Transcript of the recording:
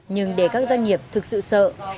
nhưng để các doanh nghiệp thực sự sợ